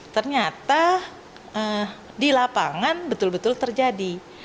ternyata di lapangan betul betul terjadi